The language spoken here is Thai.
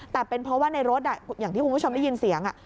แต่เป็นเพราะว่าในรถอย่างที่คุณผู้ชมได้ยินเสียง